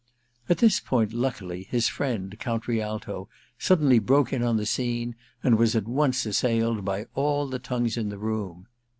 At this point, luckily, lus friend Count Rialto suddenly broke in on the scene, and was at once assailed by all the tongues in the room.